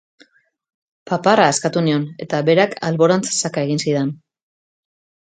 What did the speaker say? Paparra askatu nion, eta berak alborantz saka egin zidan.